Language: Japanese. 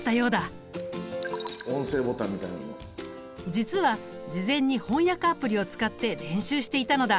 実は事前に翻訳アプリを使って練習していたのだ。